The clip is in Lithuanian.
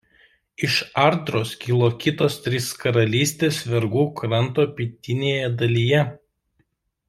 Iš Ardros kilo kitos trys karalystės Vergų kranto pietinėje dalyje.